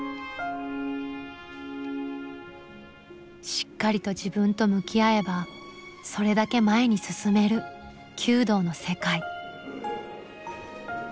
しっかりと自分と向き合えばそれだけ前に進める弓道の世界。